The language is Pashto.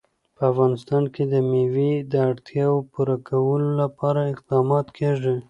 په افغانستان کې د مېوې د اړتیاوو پوره کولو لپاره اقدامات کېږي.